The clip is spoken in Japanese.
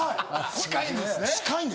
近いんですね。